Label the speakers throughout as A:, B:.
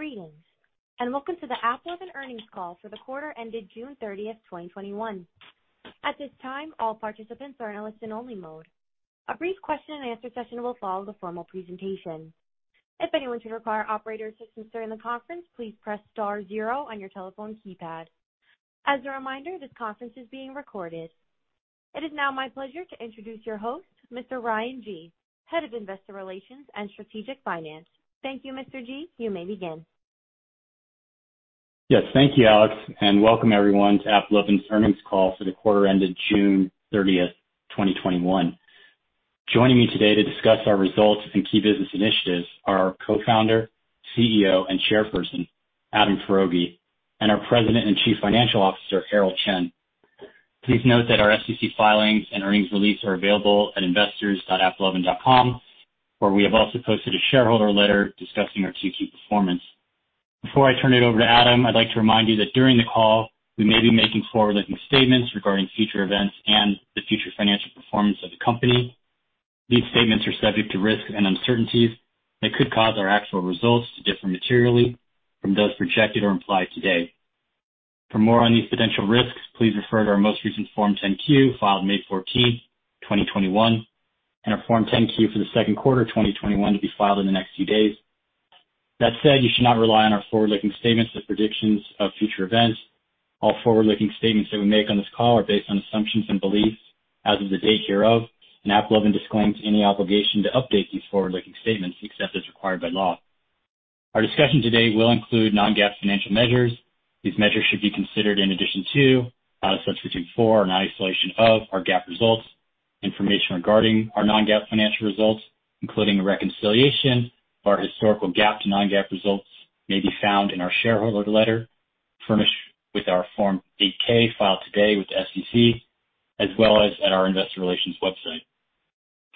A: Greetings, and welcome to the AppLovin earnings call for the quarter ended June 30th, 2021. At this time, all participants are in listen-only mode. A brief question and answer session will follow the formal presentation. If anyone should require operator assistance during the conference, please press star zero on your telephone keypad. As a reminder, this conference is being recorded. It is now my pleasure to introduce your host, Mr. Ryan Gee, Head of Investor Relations and Strategic Finance. Thank you, Mr. Gee. You may begin.
B: Yes. Thank you, Alex, and welcome everyone to AppLovin's earnings call for the quarter ended June 30th, 2021. Joining me today to discuss our results and key business initiatives are our Co-founder, CEO, and Chairperson, Adam Foroughi, and our President and Chief Financial Officer, Herald Chen. Please note that our SEC filings and earnings release are available at investors.applovin.com, where we have also posted a shareholder letter discussing our 2Q performance. Before I turn it over to Adam, I'd like to remind you that during the call, we may be making forward-looking statements regarding future events and the future financial performance of the company. These statements are subject to risks and uncertainties that could cause our actual results to differ materially from those projected or implied today. For more on these potential risks, please refer to our most recent Form 10-Q filed May 14th, 2021, and our Form 10-Q for the second quarter 2021 to be filed in the next few days. That said, you should not rely on our forward-looking statements as predictions of future events. All forward-looking statements that we make on this call are based on assumptions and beliefs as of the date hereof, and AppLovin disclaims any obligation to update these forward-looking statements except as required by law. Our discussion today will include non-GAAP financial measures. These measures should be considered in addition to, not a substitution for, or in isolation of, our GAAP results. Information regarding our non-GAAP financial results, including a reconciliation of our historical GAAP to non-GAAP results, may be found in our shareholder letter furnished with our Form 8-K filed today with the SEC, as well as at our Investor Relations website.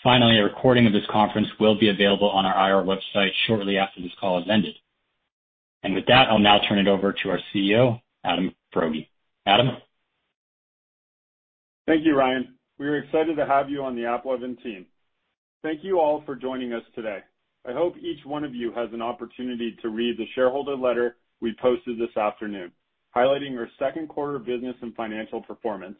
B: Finally, a recording of this conference will be available on our IR website shortly after this call has ended. With that, I'll now turn it over to our CEO, Adam Foroughi. Adam?
C: Thank you, Ryan. We are excited to have you on the AppLovin team. Thank you all for joining us today. I hope each one of you has an opportunity to read the shareholder letter we posted this afternoon highlighting our second quarter business and financial performance.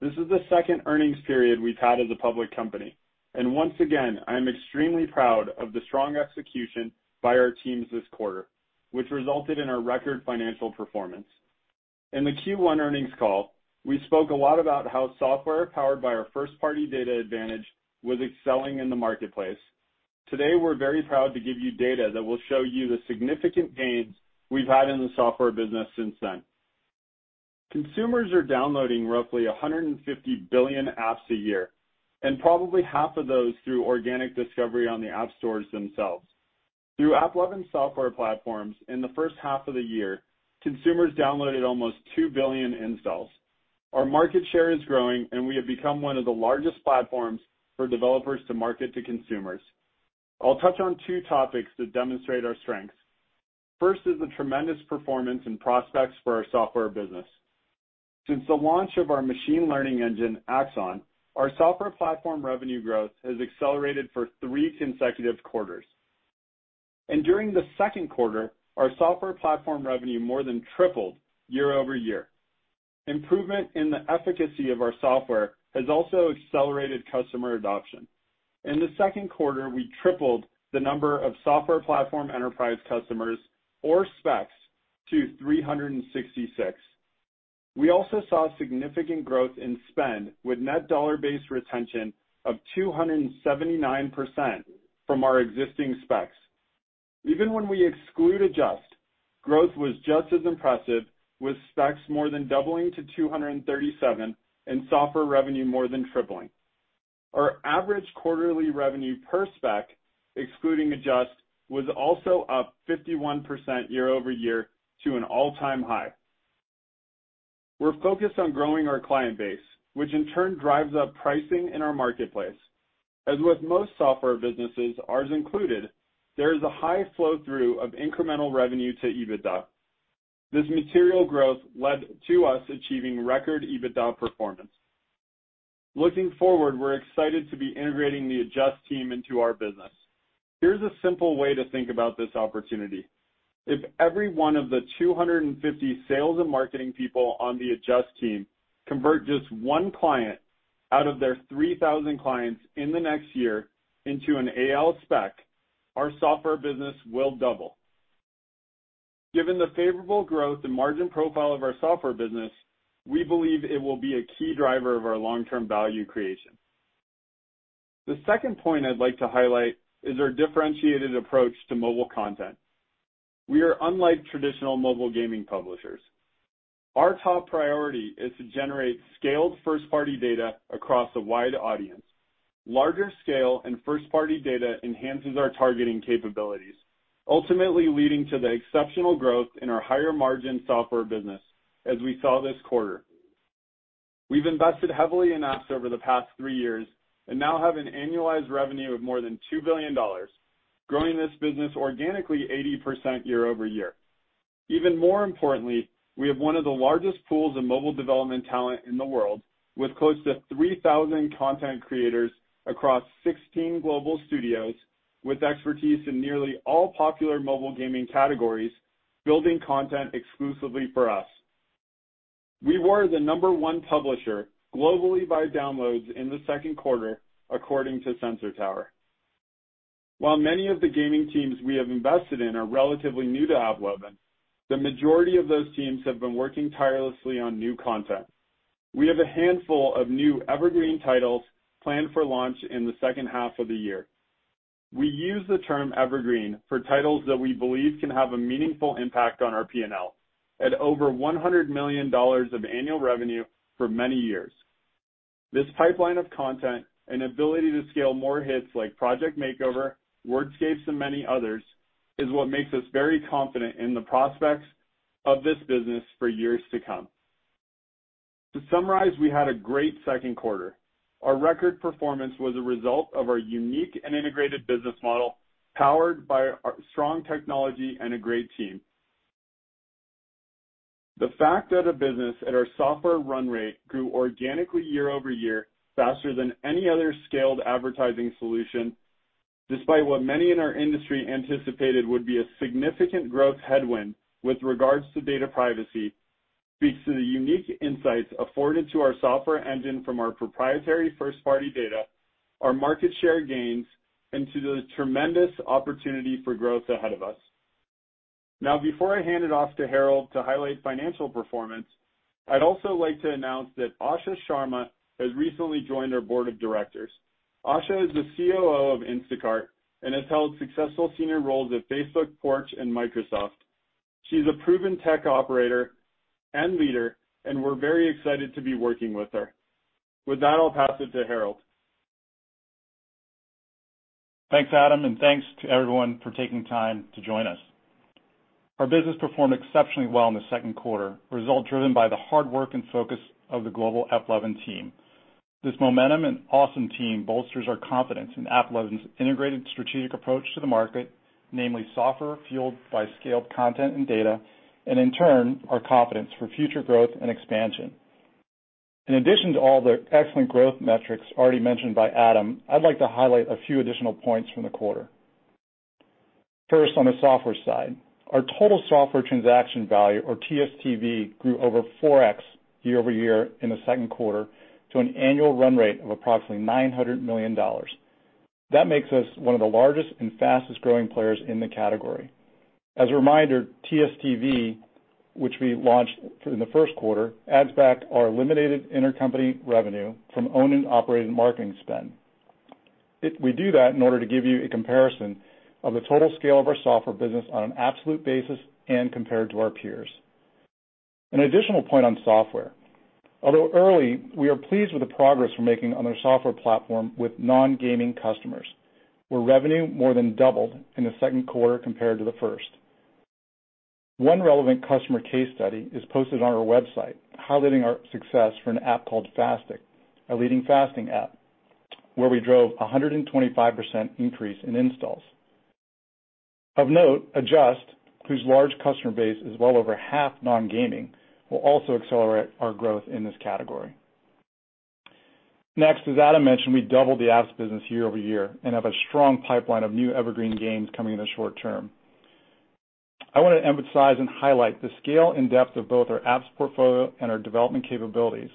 C: This is the second earnings period we've had as a public company, and once again, I am extremely proud of the strong execution by our teams this quarter, which resulted in our record financial performance. In the Q1 earnings call, we spoke a lot about how software powered by our first-party data advantage was excelling in the marketplace. Today, we're very proud to give you data that will show you the significant gains we've had in the software business since then. Consumers are downloading roughly 150 billion apps a year, and probably half of those through organic discovery on the app stores themselves. Through AppLovin software platforms, in the first half of the year, consumers downloaded almost 2 billion installs. Our market share is growing, and we have become one of the largest platforms for developers to market to consumers. I'll touch on two topics that demonstrate our strengths. First is the tremendous performance and prospects for our software business. Since the launch of our machine learning engine, AXON, our software platform revenue growth has accelerated for three consecutive quarters. During the second quarter, our software platform revenue more than tripled year-over-year. Improvement in the efficacy of our software has also accelerated customer adoption. In the second quarter, we tripled the number of Software Platform Enterprise Clients, or SPECs, to 366. We also saw significant growth in spend with net dollar-based retention of 279% from our existing SPECs. Even when we exclude Adjust, growth was just as impressive, with SPECs more than doubling to 237 and software revenue more than tripling. Our average quarterly revenue per SPEC, excluding Adjust, was also up 51% year-over-year to an all-time high. We're focused on growing our client base, which in turn drives up pricing in our marketplace. As with most software businesses, ours included, there is a high flow-through of incremental revenue to EBITDA. This material growth led to us achieving record EBITDA performance. Looking forward, we're excited to be integrating the Adjust team into our business. Here's a simple way to think about this opportunity. If every one of the 250 sales and marketing people on the Adjust team convert just one client out of their 3,000 clients in the next year into an AppLovin SPEC, our software business will double. Given the favorable growth and margin profile of our software business, we believe it will be a key driver of our long-term value creation. The second point I'd like to highlight is our differentiated approach to mobile content. We are unlike traditional mobile gaming publishers. Our top priority is to generate scaled first-party data across a wide audience. Larger scale and first-party data enhances our targeting capabilities, ultimately leading to the exceptional growth in our higher-margin software business, as we saw this quarter. We've invested heavily in apps over the past three years and now have an annualized revenue of more than $2 billion, growing this business organically 80% year-over-year. Even more importantly, we have one of the largest pools of mobile development talent in the world, with close to 3,000 content creators across 16 global studios with expertise in nearly all popular mobile gaming categories, building content exclusively for us. We were the number one publisher globally by downloads in the second quarter, according to Sensor Tower. While many of the gaming teams we have invested in are relatively new to AppLovin, the majority of those teams have been working tirelessly on new content. We have a handful of new evergreen titles planned for launch in the second half of the year. We use the term evergreen for titles that we believe can have a meaningful impact on our P&L at over $100 million of annual revenue for many years. This pipeline of content and ability to scale more hits like Project Makeover, Wordscapes, and many others, is what makes us very confident in the prospects of this business for years to come. To summarize, we had a great second quarter. Our record performance was a result of our unique and integrated business model, powered by strong technology and a great team. The fact that a business at our software run rate grew organically year-over-year, faster than any other scaled advertising solution, despite what many in our industry anticipated would be a significant growth headwind with regards to data privacy, speaks to the unique insights afforded to our software engine from our proprietary first-party data, our market share gains, and to the tremendous opportunity for growth ahead of us. Now, before I hand it off to Herald to highlight financial performance, I'd also like to announce that Asha Sharma has recently joined our Board of Directors. Asha is the COO of Instacart and has held successful senior roles at Facebook, Porch, and Microsoft. She's a proven tech operator and leader, and we're very excited to be working with her. With that, I'll pass it to Herald.
D: Thanks, Adam, and thanks to everyone for taking time to join us. Our business performed exceptionally well in the second quarter, a result driven by the hard work and focus of the global AppLovin team. This momentum and awesome team bolsters our confidence in AppLovin's integrated strategic approach to the market, namely software fueled by scaled content and data, and in turn, our confidence for future growth and expansion. In addition to all the excellent growth metrics already mentioned by Adam, I'd like to highlight a few additional points from the quarter. First, on the software side. Our total software transaction value, or TSTV, grew over 4x year-over-year in the second quarter to an annual run rate of approximately $900 million. That makes us one of the largest and fastest-growing players in the category. As a reminder, TSTV, which we launched in the first quarter, adds back our eliminated intercompany revenue from owned and operated marketing spend. We do that in order to give you a comparison of the total scale of our software business on an absolute basis and compared to our peers. An additional point on software. Although early, we are pleased with the progress we're making on our software platform with non-gaming customers, where revenue more than doubled in the second quarter compared to the first. One relevant customer case study is posted on our website highlighting our success for an app called Fastic, a leading fasting app, where we drove 125% increase in installs. Of note, Adjust, whose large customer base is well over half non-gaming, will also accelerate our growth in this category. Next, as Adam mentioned, we doubled the apps business year-over-year and have a strong pipeline of new evergreen games coming in the short term. I want to emphasize and highlight the scale and depth of both our apps portfolio and our development capabilities,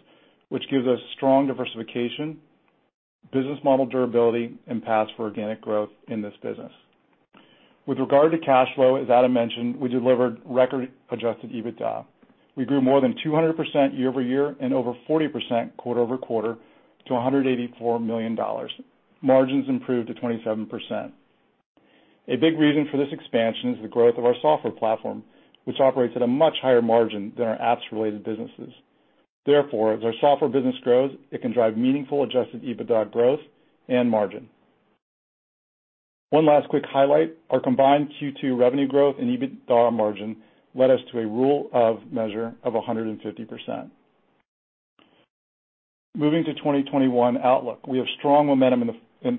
D: which gives us strong diversification, business model durability, and paths for organic growth in this business. With regard to cash flow, as Adam mentioned, we delivered record adjusted EBITDA. We grew more than 200% year-over-year and over 40% quarter-over-quarter to $184 million. Margins improved to 27%. A big reason for this expansion is the growth of our software platform, which operates at a much higher margin than our apps-related businesses. Therefore, as our software business grows, it can drive meaningful adjusted EBITDA growth and margin. One last quick highlight, our combined Q2 revenue growth and EBITDA margin led us to a Rule of 40 measure of 150%. Moving to 2021 outlook. We have strong momentum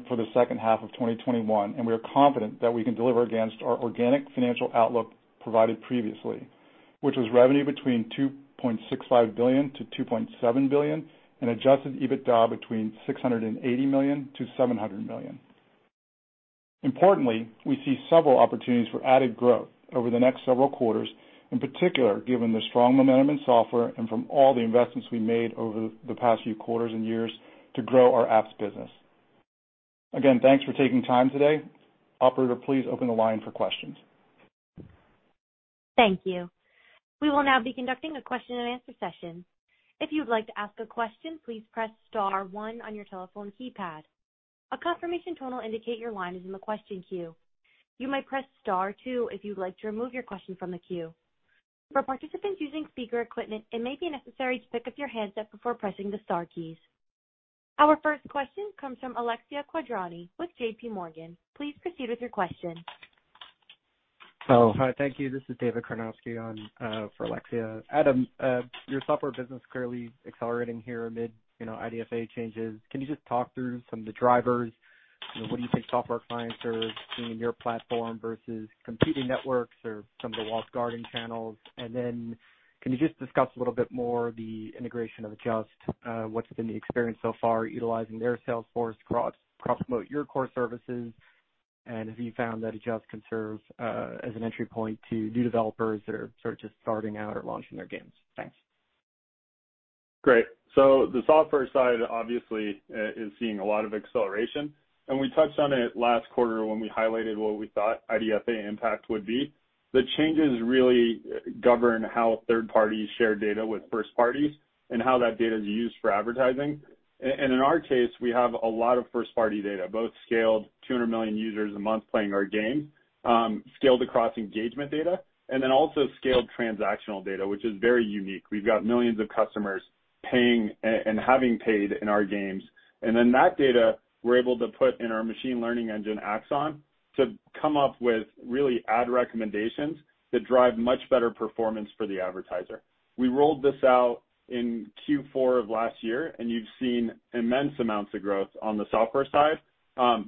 D: for the second half of 2021, and we are confident that we can deliver against our organic financial outlook provided previously, which was revenue between $2.65 billion-$2.7 billion and adjusted EBITDA between $680 million-$700 million. Importantly, we see several opportunities for added growth over the next several quarters, in particular, given the strong momentum in software and from all the investments we made over the past few quarters and years to grow our apps business. Again, thanks for taking time today. Operator, please open the line for questions.
A: Thank you. We will now be conducting a question and answer session. Our first question comes from Alexia Quadrani with JPMorgan. Please proceed with your question.
E: Hello. Hi. Thank you. This is David Karnovsky on for Alexia. Adam, your software business clearly accelerating here amid IDFA changes. Can you just talk through some of the drivers? What do you think software clients are seeing in your platform versus competing networks or some of the walled garden channels? Can you just discuss a little bit more the integration of Adjust? What's been the experience so far utilizing their salesforce to cross-promote your core services? Have you found that Adjust can serve as an entry point to new developers that are sort of just starting out or launching their games? Thanks.
C: The software side obviously is seeing a lot of acceleration, and we touched on it last quarter when we highlighted what we thought IDFA impact would be. The changes really govern how third parties share data with first parties and how that data is used for advertising. In our case, we have a lot of first-party data, both scaled 200 million users a month playing our game, scaled across engagement data, and then also scaled transactional data, which is very unique. We've got millions of customers paying and having paid in our games. That data we're able to put in our machine learning engine, AXON, to come up with really ad recommendations that drive much better performance for the advertiser. We rolled this out in Q4 of last year, you've seen immense amounts of growth on the software side,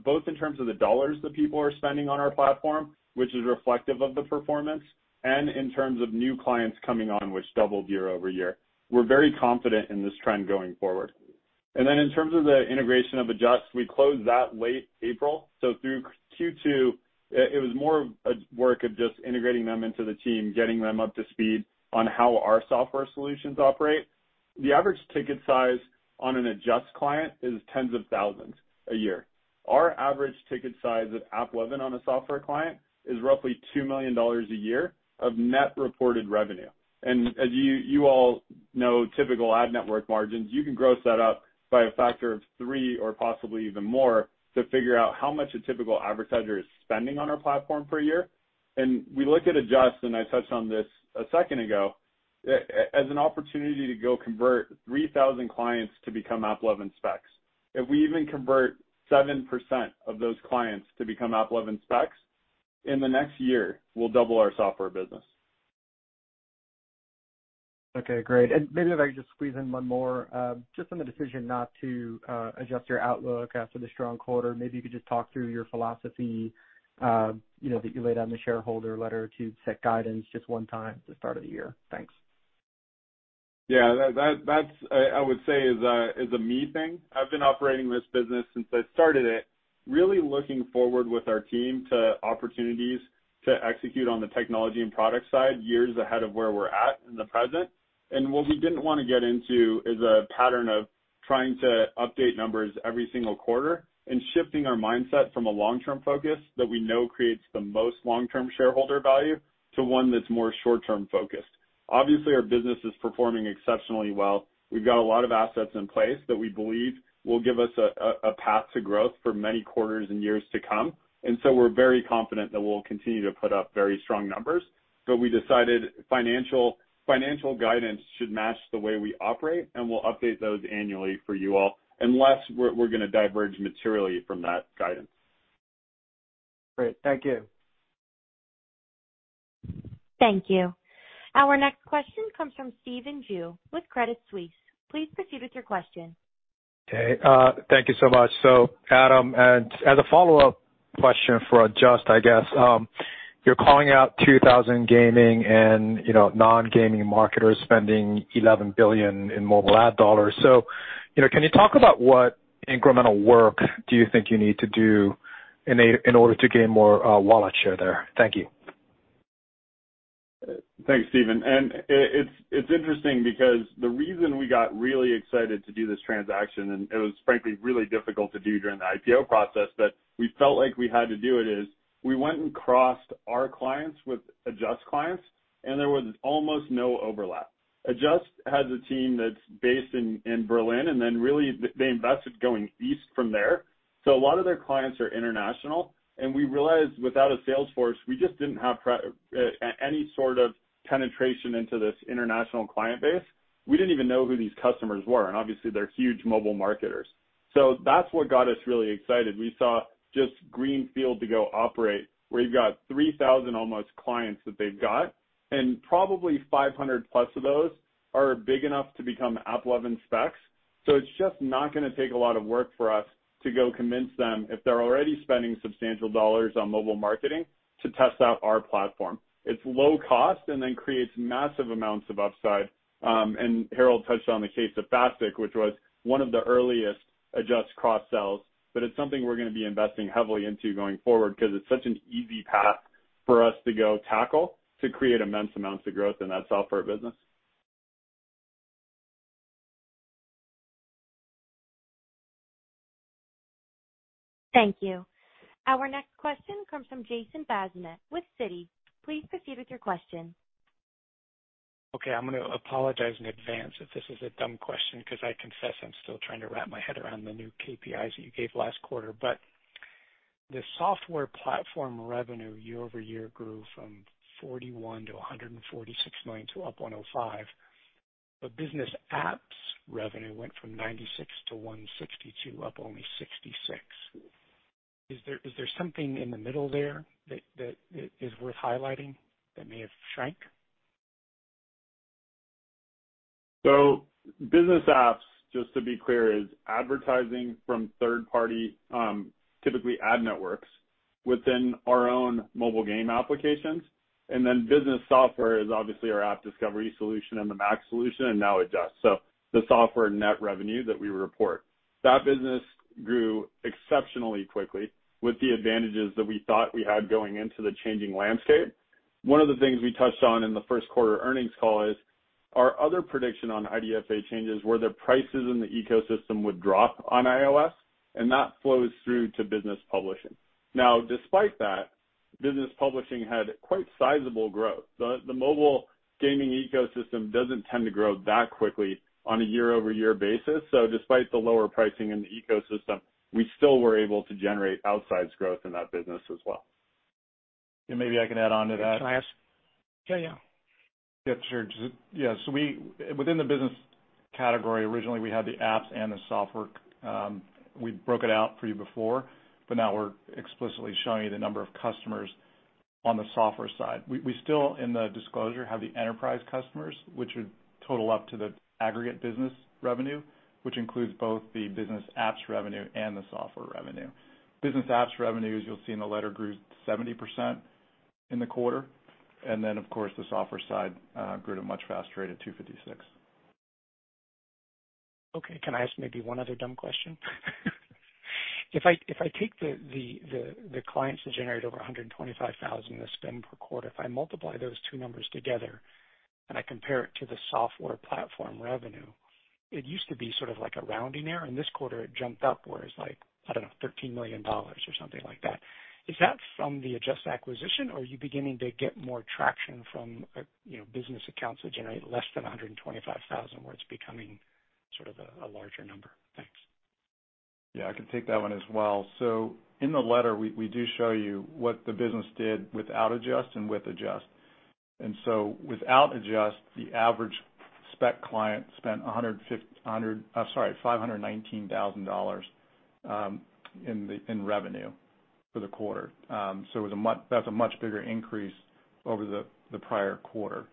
C: both in terms of the dollars that people are spending on our platform, which is reflective of the performance, and in terms of new clients coming on, which doubled year-over-year. We're very confident in this trend going forward. Then in terms of the integration of Adjust, we closed that late April. Through Q2, it was more of work of just integrating them into the team, getting them up to speed on how our software solutions operate. The average ticket size on an Adjust client is tens of thousands a year. Our average ticket size at AppLovin on a software client is roughly $2 million a year of net reported revenue. As you all know, typical ad network margins, you can gross that up by a factor of three or possibly even more to figure out how much a typical advertiser is spending on our platform per year. We look at Adjust, and I touched on this a second ago, as an opportunity to go convert 3,000 clients to become AppLovin SPECs. If we even convert 7% of those clients to become AppLovin SPECs, in the next year, we'll double our software business.
E: Okay, great. Maybe if I could just squeeze in one more. Just on the decision not to adjust your outlook after the strong quarter, maybe you could just talk through your philosophy that you laid out in the shareholder letter to set guidance just one time at the start of the year. Thanks.
C: Yeah. That, I would say, is a me thing. I've been operating this business since I started it, really looking forward with our team to opportunities to execute on the technology and product side years ahead of where we're at in the present. What we didn't want to get into is a pattern of trying to update numbers every single quarter and shifting our mindset from a long-term focus that we know creates the most long-term shareholder value to one that's more short-term focused. Obviously, our business is performing exceptionally well. We've got a lot of assets in place that we believe will give us a path to growth for many quarters and years to come. We're very confident that we'll continue to put up very strong numbers. We decided financial guidance should match the way we operate, and we'll update those annually for you all unless we're going to diverge materially from that guidance.
E: Great. Thank you.
A: Thank you. Our next question comes from Stephen Ju with Credit Suisse. Please proceed with your question.
F: Okay. Thank you so much. Adam, as a follow-up question for Adjust, I guess, you're calling out 2,000 gaming and non-gaming marketers spending $11 billion in mobile ad dollars. Can you talk about what incremental work do you think you need to do in order to gain more wallet share there? Thank you.
C: Thanks, Stephen. It's interesting because the reason we got really excited to do this transaction, and it was frankly really difficult to do during the IPO process, but we felt like we had to do it, is we went and crossed our clients with Adjust clients, and there was almost no overlap. Adjust has a team that's based in Berlin. Then really they invested going east from there. A lot of their clients are international, and we realized without a sales force, we just didn't have any sort of penetration into this international client base. We didn't even know who these customers were, and obviously they're huge mobile marketers. That's what got us really excited. We saw just green field to go operate where you've got 3,000 almost clients that they've got, and probably 500+ of those are big enough to become AppLovin SPECs. It's just not going to take a lot of work for us to go convince them if they're already spending substantial dollars on mobile marketing to test out our platform. It's low cost and then creates massive amounts of upside. Herald touched on the case of Fastic, which was one of the earliest Adjust cross-sells. It's something we're going to be investing heavily into going forward because it's such an easy path for us to go tackle to create immense amounts of growth in that software business.
A: Thank you. Our next question comes from Jason Bazinet with Citi. Please proceed with your question.
G: Okay. I am going to apologize in advance if this is a dumb question because I confess I am still trying to wrap my head around the new KPIs that you gave last quarter. The software platform revenue year-over-year grew from $41 million to $146 million to up $105 million. Business apps revenue went from $96 million to $162 million, up only $66 million. Is there something in the middle there that is worth highlighting that may have shrank?
C: Business apps, just to be clear, is advertising from third party, typically ad networks within our own mobile game applications. Business software is obviously our AppDiscovery solution and the MAX solution and now Adjust. The software net revenue that we report. That business grew exceptionally quickly with the advantages that we thought we had going into the changing landscape. One of the things we touched on in the first quarter earnings call is our other prediction on IDFA changes, where their prices in the ecosystem would drop on iOS, and that flows through to business publishing. Despite that, business publishing had quite sizable growth. The mobile gaming ecosystem doesn't tend to grow that quickly on a year-over-year basis. Despite the lower pricing in the ecosystem, we still were able to generate outsized growth in that business as well.
D: Maybe I can add on to that.
G: Can I ask?
C: Yeah.
D: Yeah, sure. Yeah. Within the business category, originally, we had the apps and the software. We broke it out for you before, but now we're explicitly showing you the number of customers on the software side. We still, in the disclosure, have the enterprise customers, which would total up to the aggregate business revenue, which includes both the business apps revenue and the software revenue. Business apps revenues, you'll see in the letter, grew 70% in the quarter, and then of course, the software side grew at a much faster rate of 256%.
G: Okay. Can I ask maybe one other dumb question? If I take the clients that generate over 125,000 in spend per quarter, if I multiply those two numbers together and I compare it to the software platform revenue, it used to be sort of like a rounding error. In this quarter, it jumped up where it's like, I don't know, $13 million or something like that. Is that from the Adjust acquisition, or are you beginning to get more traction from business accounts that generate less than 125,000, where it's becoming sort of a larger number? Thanks.
D: I can take that one as well. In the letter, we do show you what the business did without Adjust and with Adjust. Without Adjust, the average SPECs client spent $519,000 in revenue for the quarter. That's a much bigger increase over the prior quarter.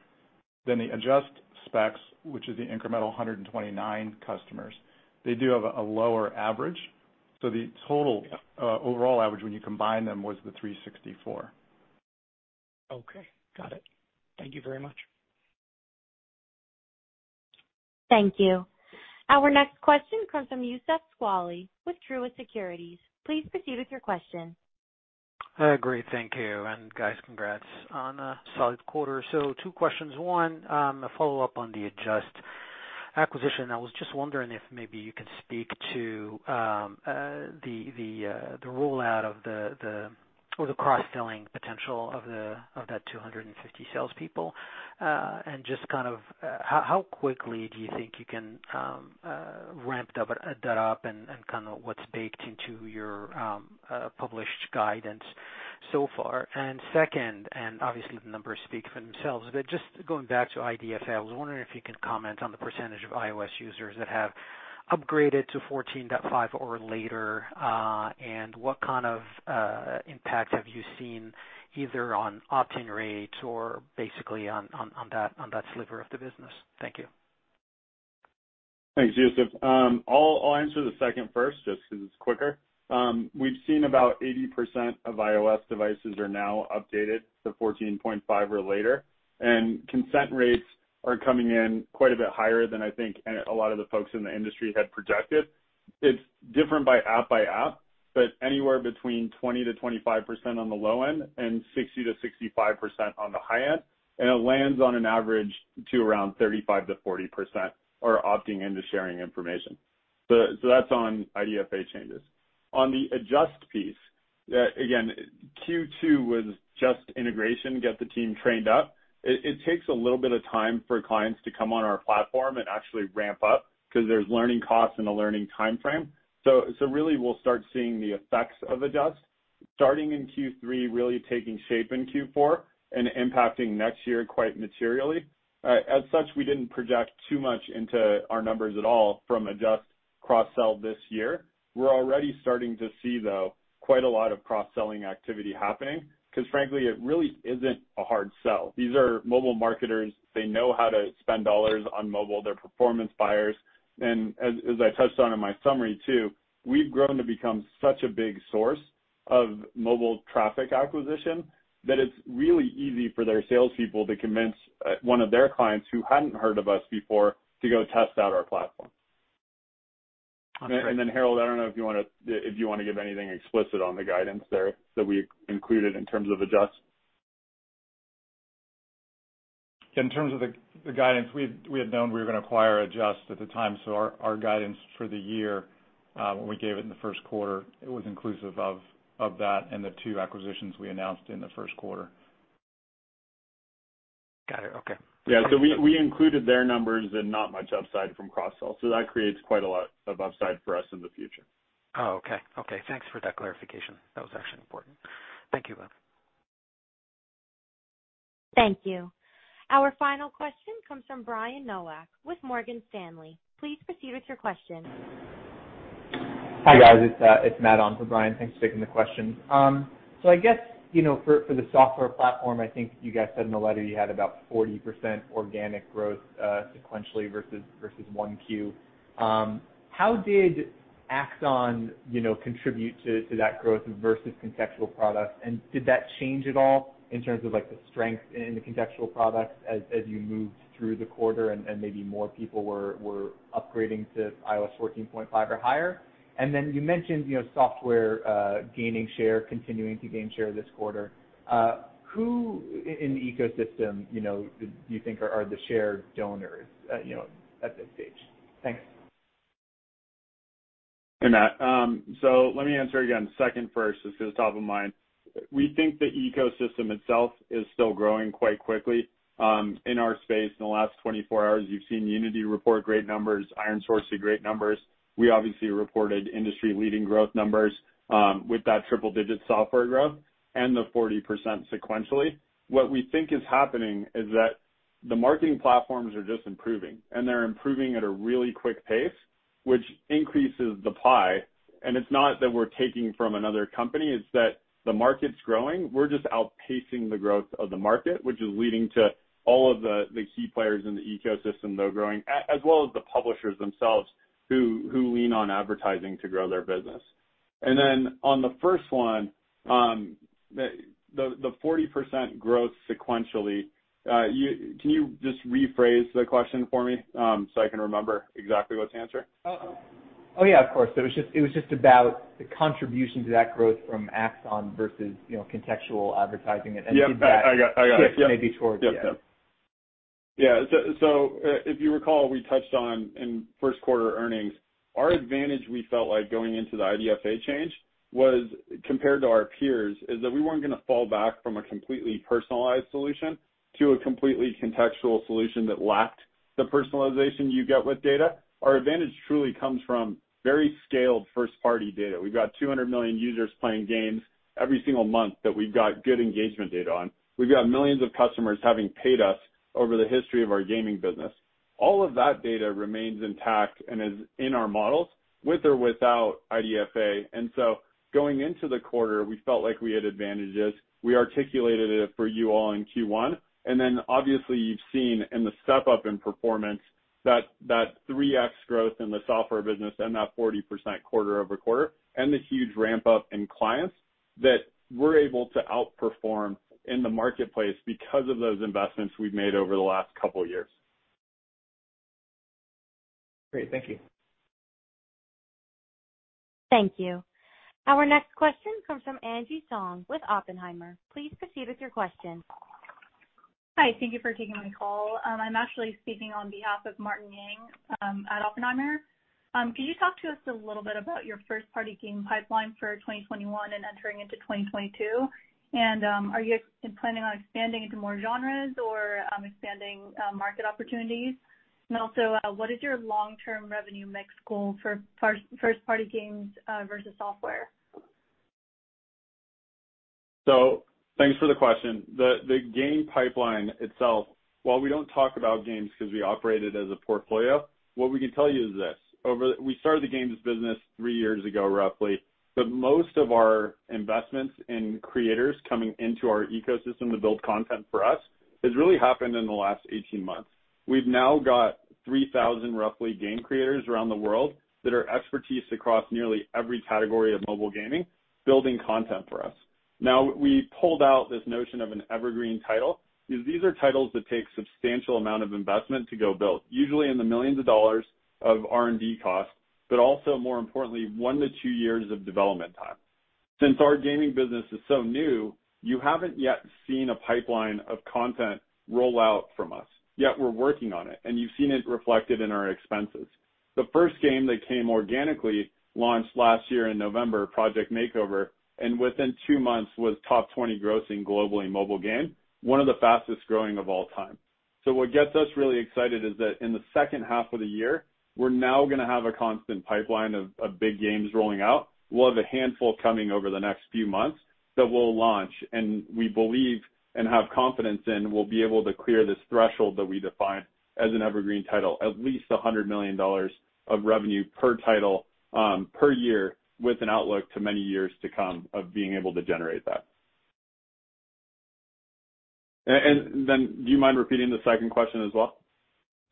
D: The Adjust SPECs, which is the incremental 129 customers, they do have a lower average. The total overall average when you combine them was the $364.
G: Okay. Got it. Thank you very much.
A: Thank you. Our next question comes from Youssef Squali with Truist Securities. Please proceed with your question.
H: Great. Thank you. Guys, congrats on a solid quarter. Two questions. Onw, a follow-up on the Adjust acquisition. I was just wondering if maybe you could speak to the rollout of the cross-selling potential of that 250 salespeople. Just kind of how quickly do you think you can ramp that up and kind of what's baked into your published guidance so far? Second, obviously the numbers speak for themselves, just going back to IDFA, I was wondering if you could comment on the percentage of iOS users that have upgraded to 14.5 or later. What kind of impact have you seen either on opt-in rates or basically on that sliver of the business? Thank you.
C: Thanks, Youssef. I'll answer the second first, just because it's quicker. We've seen about 80% of iOS devices are now updated to 14.5 or later, and consent rates are coming in quite a bit higher than I think a lot of the folks in the industry had projected. It's different by app by app, but anywhere between 20%-25% on the low-end and 60%-65% on the high-end, and it lands on an average to around 35%-40% are opting into sharing information. That's on IDFA changes. On the Adjust piece, again, Q2 was just integration, get the team trained up. It takes a little bit of time for clients to come on our platform and actually ramp up because there's learning costs and a learning timeframe. Really we'll start seeing the effects of Adjust starting in Q3, really taking shape in Q4 and impacting next year quite materially. As such, we didn't project too much into our numbers at all from Adjust cross-sell this year. We're already starting to see, though, quite a lot of cross-selling activity happening because frankly, it really isn't a hard sell. These are mobile marketers. They know how to spend dollars on mobile. They're performance buyers. As I touched on in my summary too, we've grown to become such a big source of mobile traffic acquisition that it's really easy for their salespeople to convince one of their clients who hadn't heard of us before to go test out our platform.
H: That's great.
C: Herald, I don't know if you want to give anything explicit on the guidance there that we included in terms of Adjust.
D: In terms of the guidance, we had known we were going to acquire Adjust at the time, so our guidance for the year, when we gave it in the first quarter, it was inclusive of that and the two acquisitions we announced in the first quarter.
H: Got it. Okay.
C: Yeah. We included their numbers and not much upside from cross-sell. That creates quite a lot of upside for us in the future.
H: Oh, okay. Thanks for that clarification. That was actually important. Thank you, guys.
A: Thank you. Our final question comes from Brian Nowak with Morgan Stanley. Please proceed with your question.
I: Hi, guys. It's Matt on for Brian. Thanks for taking the question. I guess, for the software platform, I think you guys said in the letter you had about 40% organic growth sequentially versus 1Q. How did AXON contribute to that growth versus contextual products? Did that change at all in terms of the strength in the contextual products as you moved through the quarter and maybe more people were upgrading to iOS 14.5 or higher? You mentioned software gaining share, continuing to gain share this quarter. Who in the ecosystem do you think are the share donors at this stage? Thanks.
C: Hey, Matt. Let me answer again, second first, this is top of mind. We think the ecosystem itself is still growing quite quickly. In our space, in the last 24 hours, you've seen Unity report great numbers, ironSource do great numbers. We obviously reported industry-leading growth numbers with that triple-digit software growth and the 40% sequentially. What we think is happening is that the marketing platforms are just improving, and they're improving at a really quick pace, which increases the pie. It's not that we're taking from another company, it's that the market's growing. We're just outpacing the growth of the market, which is leading to all of the key players in the ecosystem, though, growing, as well as the publishers themselves who lean on advertising to grow their business. On the first one, the 40% growth sequentially, can you just rephrase the question for me so I can remember exactly what to answer?
I: Oh, yeah, of course. It was just about the contribution to that growth from AXON versus contextual advertising.
C: Yeah. I got it.
I: Did that shift maybe towards the?
C: Yep. Yeah. If you recall, we touched on in first quarter earnings, our advantage we felt like going into the IDFA change was, compared to our peers, is that we weren't going to fall back from a completely personalized solution to a completely contextual solution that lacked the personalization you get with data. Our advantage truly comes from very scaled first-party data. We've got 200 million users playing games every single month that we've got good engagement data on. We've got millions of customers having paid us over the history of our gaming business. All of that data remains intact and is in our models with or without IDFA. Going into the quarter, we felt like we had advantages. We articulated it for you all in Q1, and then obviously you've seen in the step-up in performance that 3x growth in the software business and that 40% quarter-over-quarter and the huge ramp-up in clients that we're able to outperform in the marketplace because of those investments we've made over the last couple of years.
I: Great. Thank you.
A: Thank you. Our next question comes from Angie Song with Oppenheimer. Please proceed with your question.
J: Hi. Thank you for taking my call. I'm actually speaking on behalf of Martin Yang at Oppenheimer. Can you talk to us a little bit about your first-party game pipeline for 2021 and entering into 2022? Are you planning on expanding into more genres or expanding market opportunities? Also, what is your long-term revenue mix goal for first-party games versus software?
C: Thanks for the question. The game pipeline itself, while we don't talk about games because we operate it as a portfolio, what we can tell you is this. We started the games business three years ago, roughly, but most of our investments in creators coming into our ecosystem to build content for us has really happened in the last 18 months. We've now got 3,000, roughly, game creators around the world that are expertised across nearly every category of mobile gaming, building content for us. We pulled out this notion of an evergreen title because these are titles that take substantial amount of investment to go build, usually in the millions of dollars of R&D costs, but also, more importantly, one to two years of development time. Since our gaming business is so new, you haven't yet seen a pipeline of content roll out from us, yet we're working on it, and you've seen it reflected in our expenses. The first game that came organically launched last year in November, Project Makeover, and within two months was top 20 grossing globally mobile game, one of the fastest-growing of all time. What gets us really excited is that in the second half of the year, we're now going to have a constant pipeline of big games rolling out. We'll have a handful coming over the next few months that we'll launch, and we believe and have confidence in we'll be able to clear this threshold that we define as an evergreen title, at least $100 million of revenue per title per year with an outlook to many years to come of being able to generate that. Do you mind repeating the second question as well?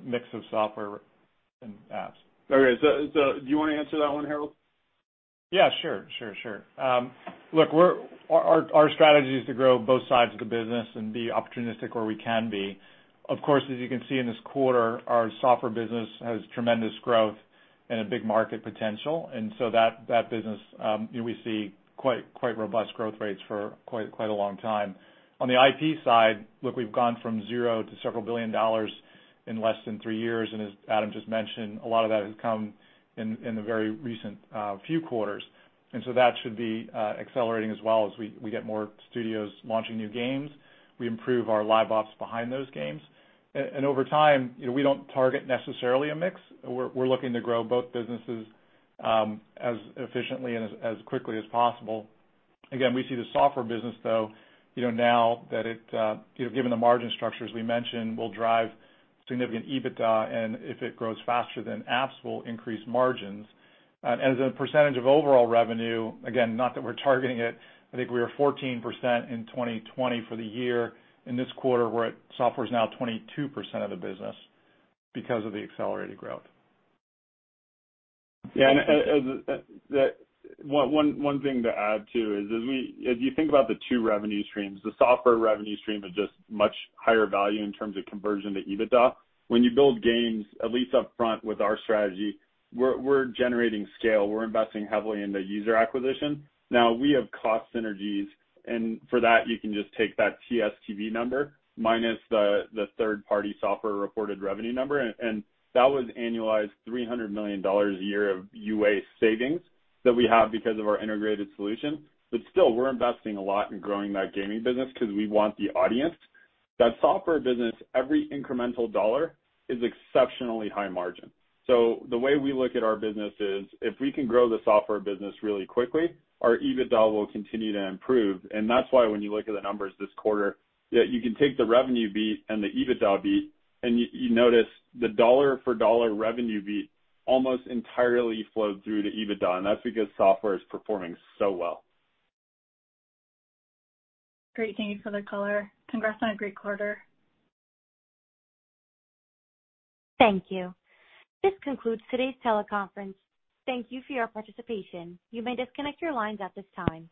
D: Mix of software and apps.
C: Okay. Do you want to answer that one, Herald?
D: Sure. Look, our strategy is to grow both sides of the business and be opportunistic where we can be. Of course, as you can see in this quarter, our software business has tremendous growth and a big market potential, and so that business we see quite robust growth rates for quite a long time. On the IP side, look, we've gone from zero to several billion dollars in less than three years, and as Adam just mentioned, a lot of that has come in the very recent few quarters. That should be accelerating as well as we get more studios launching new games. We improve our live ops behind those games. Over time, we don't target necessarily a mix. We're looking to grow both businesses as efficiently and as quickly as possible. We see the software business, though, now that it, given the margin structures we mentioned, will drive significant EBITDA, and if it grows faster than apps will increase margins. As a percentage of overall revenue, again, not that we're targeting it, I think we were 14% in 2020 for the year. In this quarter, software's now 22% of the business because of the accelerated growth.
C: Yeah. One thing to add, too, is if you think about the two revenue streams, the software revenue stream is just much higher value in terms of conversion to EBITDA. When you build games, at least up front with our strategy, we're generating scale. We're investing heavily in the user acquisition. Now, we have cost synergies, and for that, you can just take that TSTV number minus the third-party software reported revenue number, and that was annualized $300 million a year of UA savings that we have because of our integrated solution. Still, we're investing a lot in growing that gaming business because we want the audience. That software business, every incremental dollar is exceptionally high margin. The way we look at our business is if we can grow the software business really quickly, our EBITDA will continue to improve. That's why when you look at the numbers this quarter, you can take the revenue beat and the EBITDA beat, and you notice the dollar for dollar revenue beat almost entirely flowed through to EBITDA, and that's because software is performing so well.
J: Great. Thank you for the color. Congrats on a great quarter.
A: Thank you. This concludes today's teleconference. Thank you for your participation. You may disconnect your lines at this time.